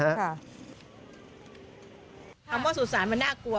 คำว่าสุสานมันน่ากลัว